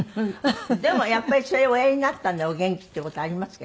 でもやっぱりそれをおやりになったんでお元気って事ありますか？